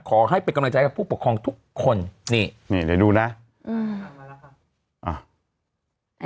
ขอให้เป็นกำลังใจกับผู้ปกครองทุกคนนี่นี่เดี๋ยวดูนะอืม